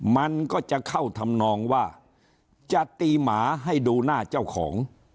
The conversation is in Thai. มันก็จะเข้าทำนองว่าจะตีหมาให้ดูหน้าเจ้าของ